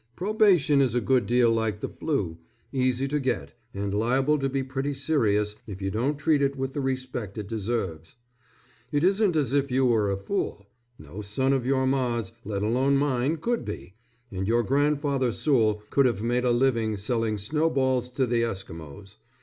Probation is a good deal like the "flu": easy to get, and liable to be pretty serious if you don't treat it with the respect it deserves. It isn't as if you were a fool. No son of your Ma's let alone mine could be, and your Grandfather Soule could have made a living selling snowballs to the Eskimos.